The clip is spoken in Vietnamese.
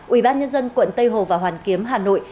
ubnd quận tây hồ và hoàn kiếm hà nội